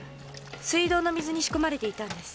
水道の水に仕込まれていたんです。